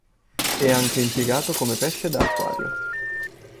È anche impiegato come pesce da acquario.